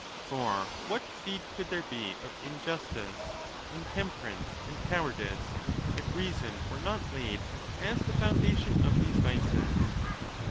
for what seed could there be of injustice, intemperance, and cowardice, if reason were not laid as the foundation of these vices